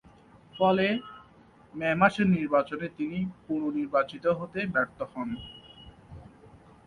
ফলে, মে মাসের নির্বাচনে তিনি পুনর্নির্বাচিত হতে ব্যর্থ হন।